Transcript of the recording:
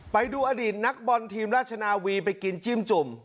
ไปดูอดีตนักบอลทีมราชนาวีไปกินจิ้มจุ่ม